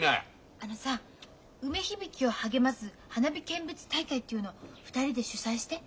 あのさ梅響を励ます花火見物大会っていうのを２人で主催して。